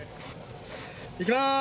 いきます